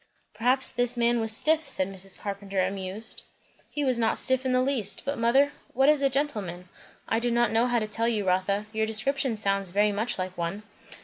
"Perhaps this man was stiff," said Mrs. Carpenter amused. "He was not stiff in the least; but mother, what is a gentleman?" "I do not know how to tell you, Rotha. Your description sounds very much like one."